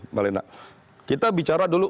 mbak lena kita bicara dulu